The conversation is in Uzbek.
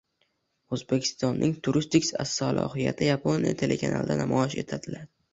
O‘zbekistonning turistik salohiyati Yaponiya telekanalida namoyish etiladi